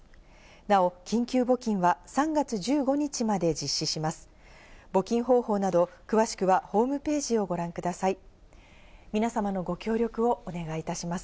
なお緊急募金は３月１５日まで実施します。